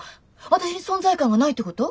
私に存在感がないってこと？